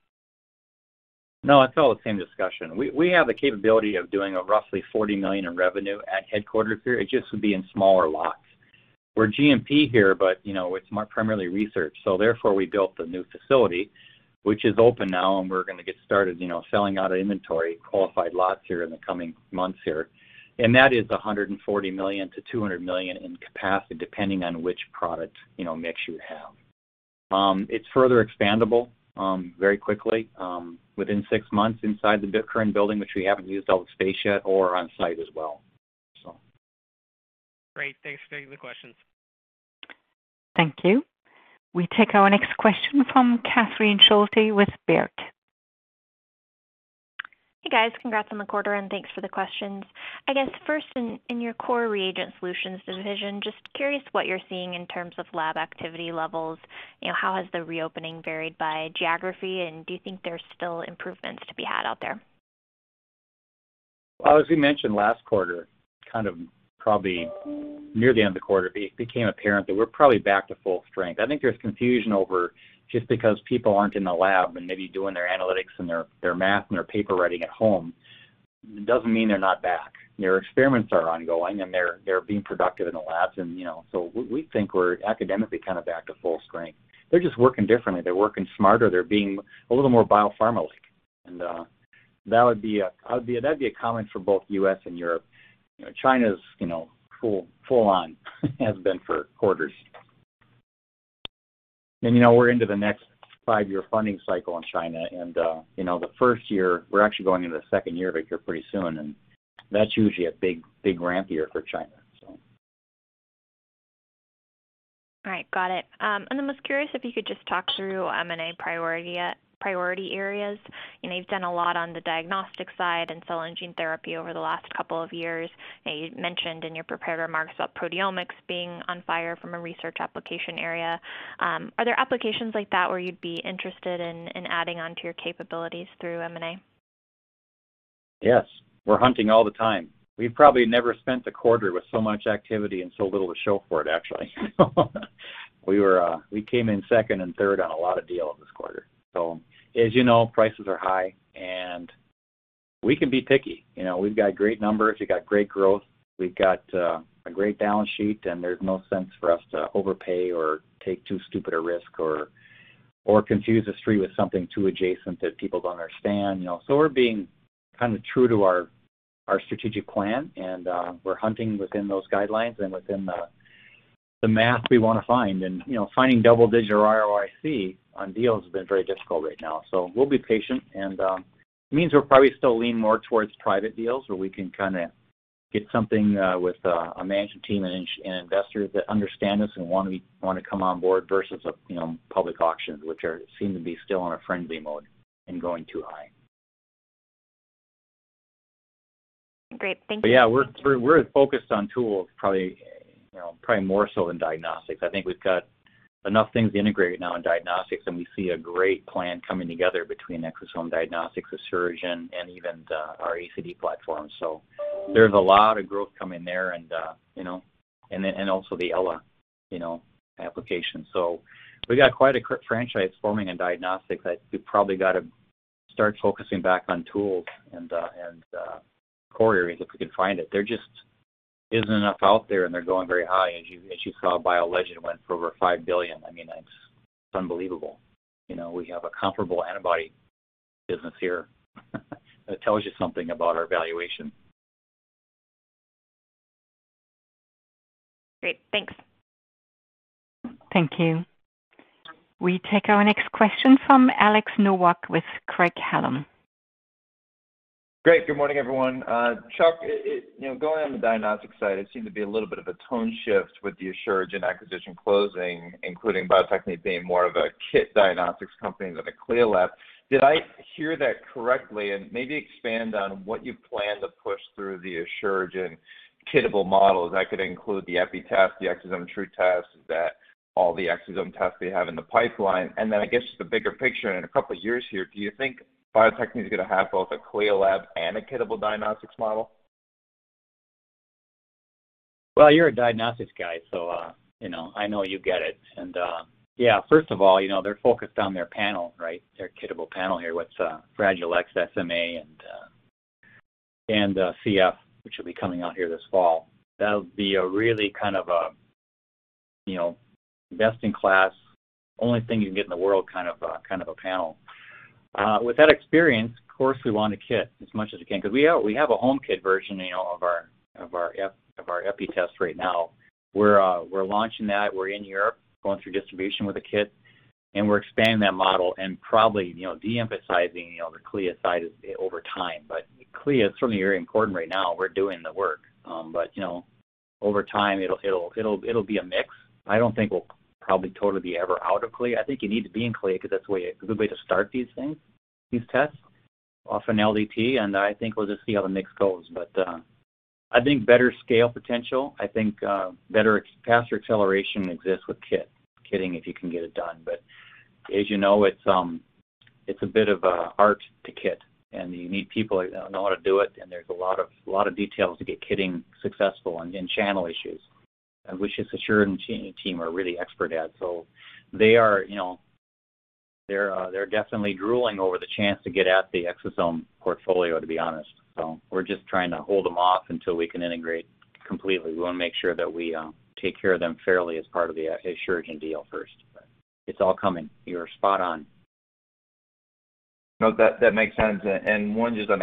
No, it's all the same discussion. We have the capability of doing roughly $40 million in revenue at headquarters here. It just would be in smaller lots. We're GMP here, but it's more primarily research. Therefore, we built the new facility, which is open now, and we're going to get started selling out inventory, qualified lots here in the coming months here. That is $140 million-$200 million in capacity, depending on which product mix you have. It's further expandable very quickly, within six months inside the current building, which we haven't used all the space yet or on-site as well. Great. Thanks for taking the questions. Thank you. We take our next question from Catherine Schulte with Baird. Hey, guys. Congrats on the quarter, thanks for the questions. I guess first in your core Reagent Solutions division, just curious what you're seeing in terms of lab activity levels. How has the reopening varied by geography, do you think there's still improvements to be had out there? Well, as we mentioned last quarter, kind of probably near the end of the quarter, it became apparent that we're probably back to full strength. I think there's confusion over just because people aren't in the lab and maybe doing their analytics and their math and their paper writing at home, doesn't mean they're not back. Their experiments are ongoing, they're being productive in the labs, we think we're academically back to full strength. They're just working differently. They're working smarter. They're being a little more biopharma-like. That'd be a comment for both U.S. and Europe. China's full on, has been for quarters. We're into the next five-year funding cycle in China, the first year, we're actually going into the second year of it here pretty soon, that's usually a big ramp year for China. All right. Got it. Was curious if you could just talk through M&A priority areas. You've done a lot on the diagnostic side and cell and gene therapy over the last couple of years. You mentioned in your prepared remarks about proteomics being on fire from a research application area. Are there applications like that where you'd be interested in adding onto your capabilities through M&A? Yes. We're hunting all the time. We've probably never spent a quarter with so much activity and so little to show for it, actually. We came in second and third on a lot of deals this quarter. As you know, prices are high, and we can be picky. We've got great numbers, we've got great growth, we've got a great balance sheet, and there's no sense for us to overpay or take too stupid a risk, or confuse the street with something too adjacent that people don't understand. We're being true to our strategic plan, and we're hunting within those guidelines and within the math we want to find. Finding double-digit ROIC on deals has been very difficult right now. We'll be patient, and it means we'll probably still lean more towards private deals, where we can get something with a management team and investors that understand us and want to come on board versus a public auction, which seem to be still in a friendly mode and going too high. Great. Thank you. Yeah. We're focused on tools probably more so than diagnostics. I think we've got enough things integrated now in diagnostics, and we see a great plan coming together between Exosome Diagnostics, Asuragen, and even our ACD platform. There's a lot of growth coming there and also the Ella application. We've got quite a franchise forming in diagnostics. I think we've probably got to start focusing back on tools and core areas if we can find it. There just isn't enough out there, and they're going very high. As you saw, BioLegend went for over $5 billion. It's unbelievable. We have a comparable antibody business here. That tells you something about our valuation. Great, thanks. Thank you. We take our next question from Alex Nowak with Craig-Hallum. Great. Good morning, everyone. Chuck, going on the diagnostics side, it seemed to be a little bit of a tone shift with the Asuragen acquisition closing, including Bio-Techne being more of a kit diagnostics company than a CLIA lab. Did I hear that correctly? Maybe expand on what you plan to push through the Asuragen kitable models. That could include the EPI test, the ExoTRU test, all the exosome tests they have in the pipeline, then I guess just the bigger picture in two years here, do you think Bio-Techne is going to have both a CLIA lab and a kitable diagnostics model? Well, you're a diagnostics guy, so I know you get it. Yeah, first of all, they're focused on their panel, their kitable panel here with Fragile X, SMA, and CF, which will be coming out here this fall. That'll be a really best in class, only thing you can get in the world kind of a panel. With that experience, of course, we want to kit as much as we can because we have a home kit version of our EPI test right now. We're launching that. We're in Europe going through distribution with a kit, and we're expanding that model and probably de-emphasizing the CLIA side over time. CLIA is certainly very important right now. We're doing the work. Over time, it'll be a mix. I don't think we'll probably totally be ever out of CLIA. I think you need to be in CLIA because that's a good way to start these things, these tests, off an LDT, and I think we'll just see how the mix goes. I think better scale potential, I think better, faster acceleration exists with kitting if you can get it done. As you know, it's a bit of an art to kit, and you need people that know how to do it, and there's a lot of details to get kitting successful and channel issues, which the Asuragen team are really expert at. They're definitely drooling over the chance to get at the exosome portfolio, to be honest. We're just trying to hold them off until we can integrate completely. We want to make sure that we take care of them fairly as part of the Asuragen deal first, but it's all coming. You're spot on. No, that makes sense. One just on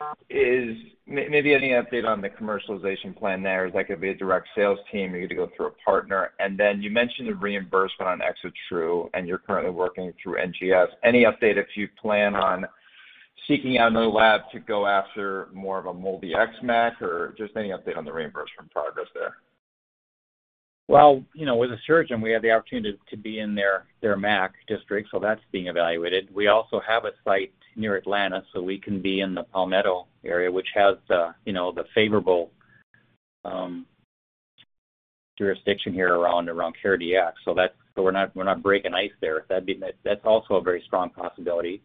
ExoTRU. Maybe any update on the commercialization plan there? Is that going to be a direct sales team? Are you going to go through a partner? Then you mentioned the reimbursement on ExoTRU, and you're currently working through NGS. Any update if you plan on seeking out another lab to go after more of a MolDX MAC, or just any update on the reimbursement progress there? Well, with Asuragen, we have the opportunity to be in their MAC district. That's being evaluated. We also have a site near Atlanta. We can be in the Palmetto area, which has the favorable jurisdiction here around CareDx. We're not breaking ice there. That's also a very strong possibility.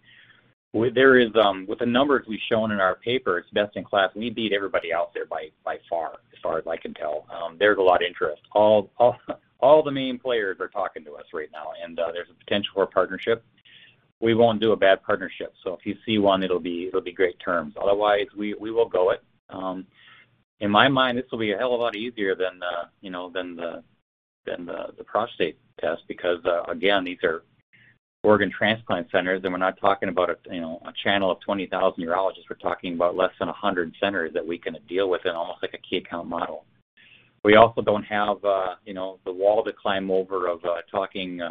With the numbers we've shown in our paper, it's best in class. We beat everybody out there by far, as far as I can tell. There's a lot of interest. All the main players are talking to us right now. There's a potential for a partnership. We won't do a bad partnership. If you see one, it'll be great terms. Otherwise, we will go it. In my mind, this will be a hell of a lot easier than the ExoDx Prostate because, again, these are organ transplant centers, and we're not talking about a channel of 20,000 urologists. We're talking about less than 100 centers that we can deal with in almost like a key account model. We also don't have the wall to climb over of talking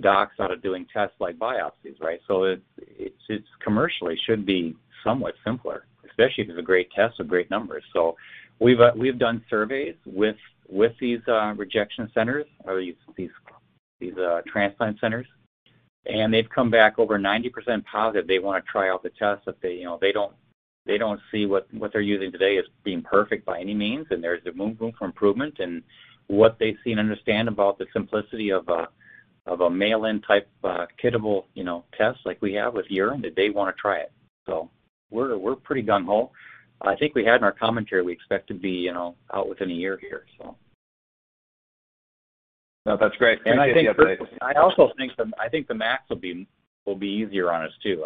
docs out of doing tests like biopsies. It commercially should be somewhat simpler, especially if it's a great test with great numbers. We've done surveys with these rejection centers or these transplant centers, and they've come back over 90% positive they want to try out the test if they don't see what they're using today as being perfect by any means, and there's room for improvement. What they see and understand about the simplicity of a mail-in type kitable test like we have with urine, that they want to try it. We're pretty gung-ho. I think we had in our commentary, we expect to be out within a year here. No, that's great. I also think the MAC will be easier on us, too.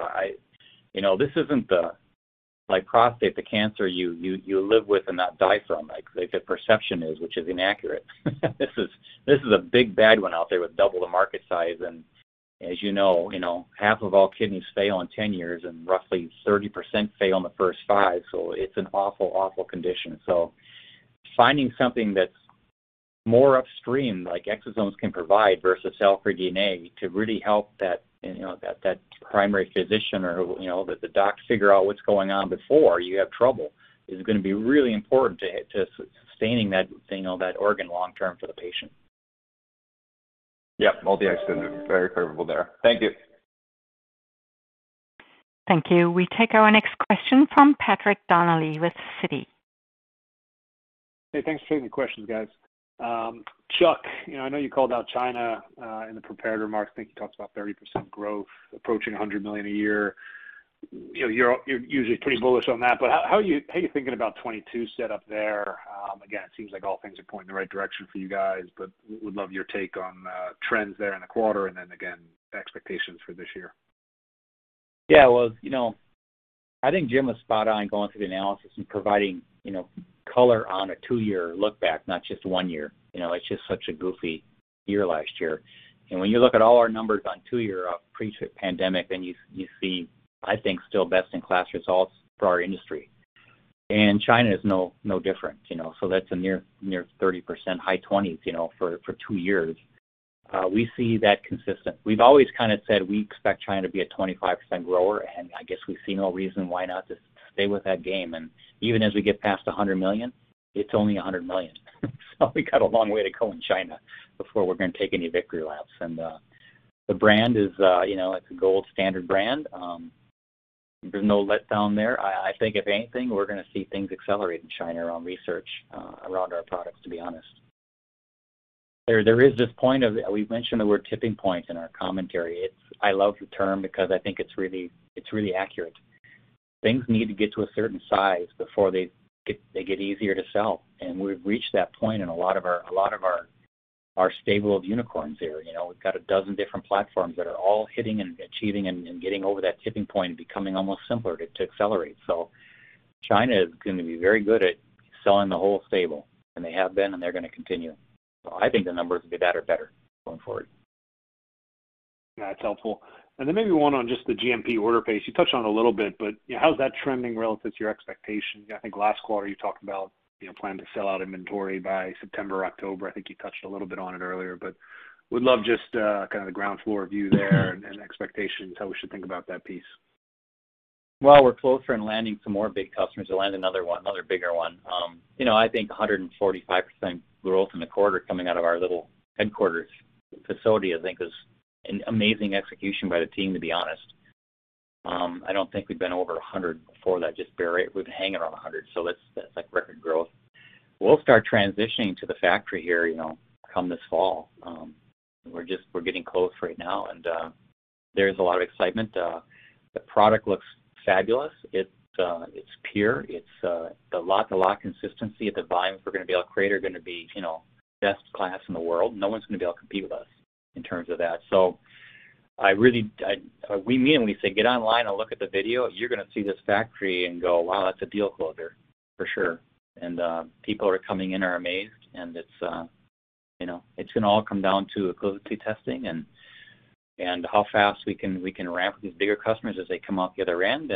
This isn't like prostate, the cancer you live with and not die from, the perception is, which is inaccurate. This is a big bad one out there with double the market size. As you know, half of all kidneys fail in 10 years, roughly 30% fail in the first five, it's an awful condition. Finding something that's more upstream, like exosomes can provide, versus cell-free DNA to really help that primary physician or the doc figure out what's going on before you have trouble is going to be really important to sustaining that organ long term for the patient. Yep. Multi-extender. Very favorable there. Thank you. Thank you. We take our next question from Patrick Donnelly with Citi. Hey, thanks for taking the questions, guys. Chuck, I know you called out China in the prepared remarks. I think you talked about 30% growth approaching $100 million a year. You're usually pretty bullish on that, but how are you thinking about 2022 set up there? Again, it seems like all things are pointing in the right direction for you guys, but would love your take on trends there in the quarter, and then again, expectations for this year. Well, I think Jim Hippel was spot on going through the analysis and providing color on a two-year look back, not just one year. It's just such a goofy year last year. When you look at all our numbers on two-year pre-pandemic, you see, I think, still best-in-class results for our industry. China is no different. That's a near 30%, high 20s for two years. We see that consistent. We've always said we expect China to be a 25% grower, I guess we see no reason why not to stay with that game. Even as we get past $100 million, it's only $100 million. We've got a long way to go in China before we're going to take any victory laps. The brand, it's a gold standard brand. There's no letdown there. I think if anything, we're going to see things accelerate in China around research around our products, to be honest. There is this point of, we've mentioned the word tipping point in our commentary. I love the term because I think it's really accurate. Things need to get to a certain size before they get easier to sell, and we've reached that point in a lot of our stable of unicorns there. We've got a dozen different platforms that are all hitting and achieving and getting over that tipping point and becoming almost simpler to accelerate. China is going to be very good at selling the whole stable, and they have been, and they're going to continue. I think the numbers will be that or better going forward. Yeah, it's helpful. maybe one on just the GMP order pace? You touched on it a little bit, how's that trending relative to your expectation? I think last quarter you talked about planning to sell out inventory by September, October. I think you touched a little bit on it earlier, would love just the ground floor view there and expectations, how we should think about that piece? Well, we're closer in landing some more big customers to land another one, another bigger one. I think 145% growth in the quarter coming out of our little headquarters facility, I think, is an amazing execution by the team, to be honest. I don't think we've been over 100% before that, just barely. We've been hanging around 100%. That's record growth. We'll start transitioning to the factory here come this fall. We're getting close right now, and there's a lot of excitement. The product looks fabulous. It's pure. The lot consistency, the volumes we're going to be able to create are going to be best class in the world. No one's going to be able to compete with us in terms of that. We mean when we say get online and look at the video. You're going to see this factory and go, "Wow, that's a deal closer for sure." People who are coming in are amazed, and it's going to all come down to equivalency testing and how fast we can ramp with these bigger customers as they come out the other end.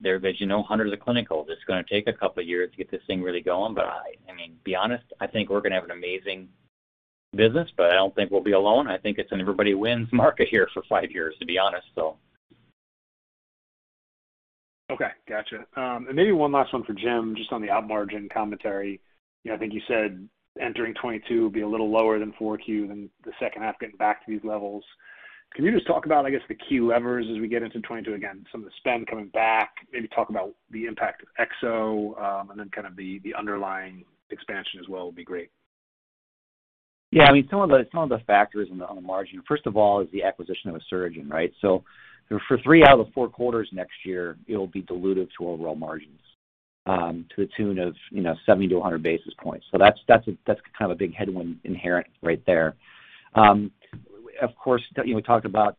There, as you know, hundreds of clinicals. It's going to take a couple of years to get this thing really going. To be honest, I think we're going to have an amazing business, but I don't think we'll be alone. I think it's an everybody wins market here for five years, to be honest. Okay. Got you. Maybe one last one for Jim, just on the out margin commentary. I think you said entering 2022 will be a little lower than 4Q, then the second half getting back to these levels. Can you just talk about, I guess, the key levers as we get into 2022 again, some of the spend coming back, maybe talk about the impact of Exo, and then the underlying expansion as well would be great. Yeah. Some of the factors on the margin, first of all, is the acquisition of Asuragen. For three out of the four quarters next year, it'll be dilutive to overall margins, to the tune of 70 basis points-100 basis points. That's a big headwind inherent right there. Of course, we talked about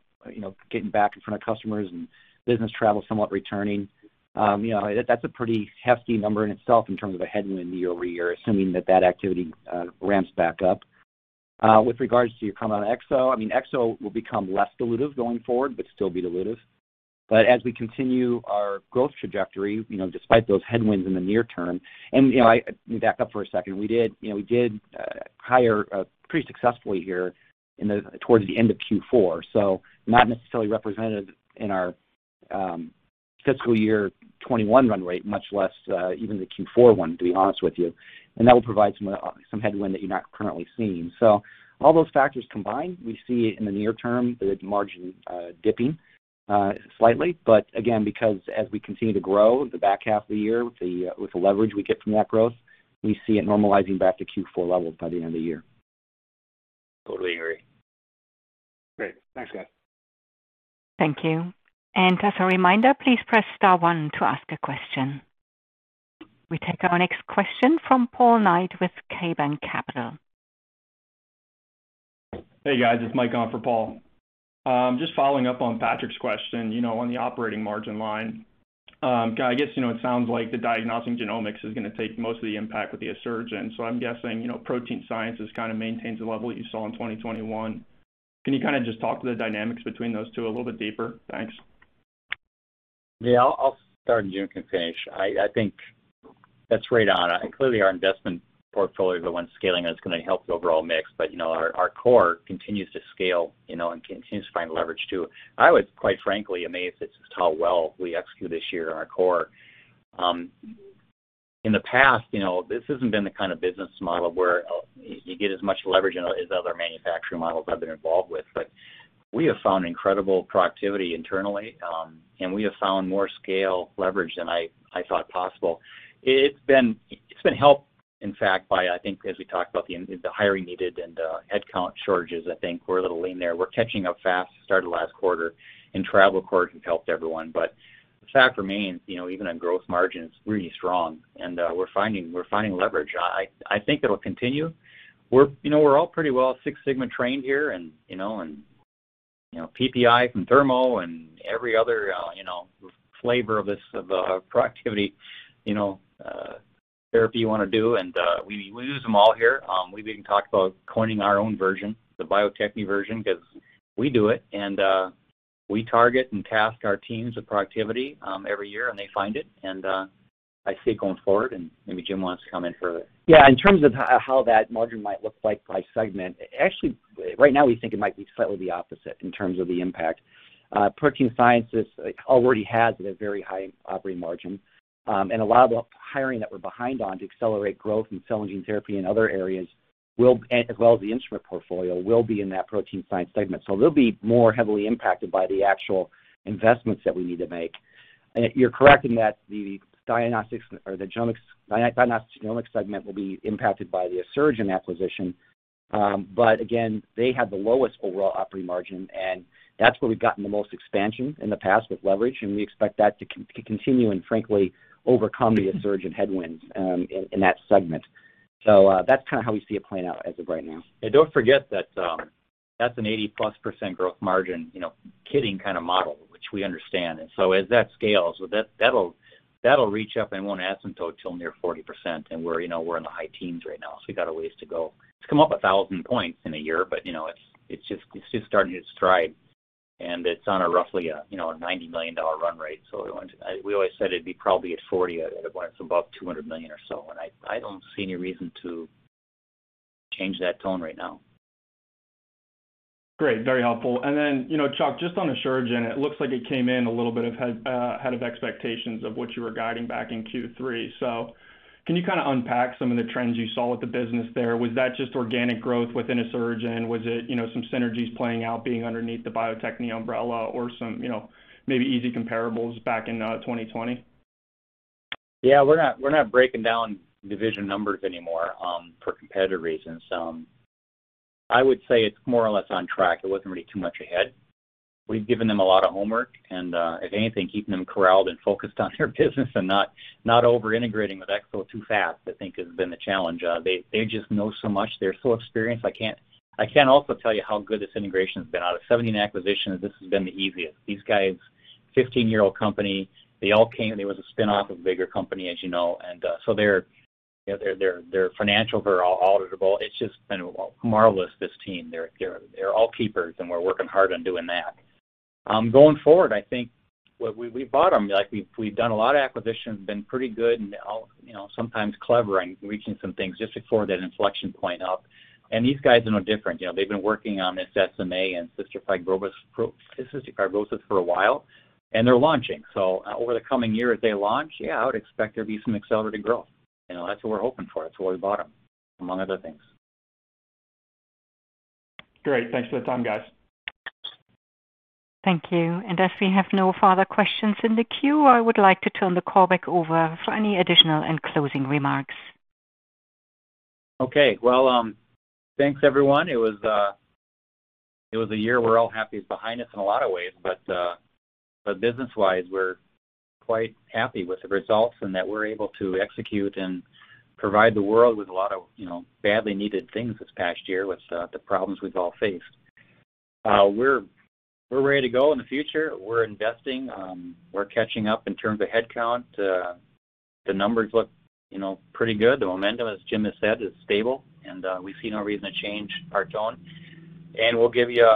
getting back in front of customers and business travel somewhat returning. That's a pretty hefty number in itself in terms of a headwind year-over-year, assuming that that activity ramps back up. With regards to your comment on Exo will become less dilutive going forward, but still be dilutive. But as we continue our growth trajectory, despite those headwinds in the near term, let me back up for a second. We did hire pretty successfully here towards the end of Q4, so not necessarily represented in our fiscal year 2021 run rate, much less even the Q4 one, to be honest with you. And that will provide some headwind that you're not currently seeing. All those factors combined, we see in the near term the margin dipping slightly. But again, because as we continue to grow the back half of the year with the leverage we get from that growth, we see it normalizing back to Q4 levels by the end of the year. Totally agree. Great. Thanks, guys. Thank you. As a reminder, please press star one to ask a question. We take our next question from Paul Knight with KeyBanc Capital Markets. Hey, guys, it's Mike on for Paul. Just following up on Patrick's question on the operating margin line. I guess, it sounds like the diagnostic genomics is going to take most of the impact with the Asuragen. I'm guessing, Protein Sciences kind of maintains the level that you saw in 2021. Can you just talk to the dynamics between those two a little bit deeper? Thanks. Yeah, I'll start and Jim can finish. I think that's right on. Clearly, our investment portfolio is the one scaling that's going to help the overall mix. Our core continues to scale, and continues to find leverage, too. I was, quite frankly, amazed at just how well we executed this year in our core. In the past, this hasn't been the kind of business model where you get as much leverage as other manufacturing models I've been involved with. We have found incredible productivity internally, and we have found more scale leverage than I thought possible. It's been helped, in fact, by, I think as we talked about, the hiring needed and the headcount shortages, I think we're a little lean there. We're catching up fast, started last quarter, and travel of course has helped everyone. The fact remains, even on gross margin, it's really strong and we're finding leverage. I think it'll continue. We're all pretty well Six Sigma trained here, and PPI from Thermo and every other flavor of productivity therapy you want to do, and we use them all here. We've even talked about coining our own version, the Bio-Techne version, because we do it, and we target and task our teams with productivity every year, and they find it, and I see it going forward, and maybe Jim wants to comment further. Yeah, in terms of how that margin might look like by segment. Actually, right now, we think it might be slightly the opposite in terms of the impact. Protein Sciences already has a very high operating margin. A lot of the hiring that we're behind on to accelerate growth in cell and gene therapy and other areas, as well as the instrument portfolio, will be in that protein science segment. They'll be more heavily impacted by the actual investments that we need to make. You're correct in that the diagnostic genomics segment will be impacted by the Asuragen acquisition. Again, they have the lowest overall operating margin, and that's where we've gotten the most expansion in the past with leverage, and we expect that to continue and frankly, overcome the Asuragen headwinds in that segment. That's kind of how we see it playing out as of right now. Don't forget that that's an 80%+ gross margin, kitting kind of model, which we understand. As that scales, that'll reach up and won't asymptote till near 40%, and we're in the high teens right now, so we got a ways to go. It's come up 1,000 points in a year, it's just starting to stride, and it's on a roughly a $90 million run rate. We always said it'd be probably at 40% at above $200 million or so, I don't see any reason to change that tone right now. Great. Very helpful. Chuck Kummeth, just on Asuragen, it looks like it came in a little bit ahead of expectations of what you were guiding back in Q3. Can you kind of unpack some of the trends you saw with the business there? Was that just organic growth within Asuragen? Was it some synergies playing out being underneath the Bio-Techne umbrella or some maybe easy comparables back in 2020? Yeah, we're not breaking down division numbers anymore for competitive reasons. I would say it's more or less on track. It wasn't really too much ahead. We've given them a lot of homework, and if anything, keeping them corralled and focused on their business and not over-integrating with Exo too fast, I think, has been the challenge. They just know so much. They're so experienced. I can't also tell you how good this integration's been. Out of 17 acquisitions, this has been the easiest. These guys, 15-year-old company. They all came, and it was a spin-off of a bigger company, as you know. Their financials are all auditable. It's just been marvelous, this team. They're all keepers, and we're working hard on doing that. Going forward, I think we bought them. We've done a lot of acquisitions, been pretty good and sometimes clever in reaching some things just before that inflection point up. These guys are no different. They've been working on this SMA and cystic fibrosis for a while, and they're launching. Over the coming year, as they launch, yeah, I would expect there'd be some accelerated growth. That's what we're hoping for. That's why we bought them, among other things. Great. Thanks for the time, guys. Thank you. As we have no further questions in the queue, I would like to turn the call back over for any additional and closing remarks. Okay. Well, thanks everyone. It was a year we're all happy is behind us in a lot of ways. Business-wise, we're quite happy with the results and that we're able to execute and provide the world with a lot of badly needed things this past year with the problems we've all faced. We're ready to go in the future. We're investing. We're catching up in terms of headcount. The numbers look pretty good. The momentum, as Jim has said, is stable, and we see no reason to change our tone. We'll give you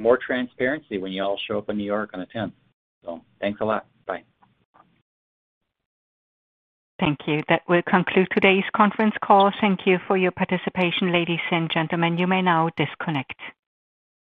more transparency when you all show up in New York on the 10th. Thanks a lot. Bye. Thank you. That will conclude today's conference call. Thank you for your participation, ladies and gentlemen. You may now disconnect.